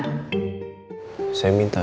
ya udah keluar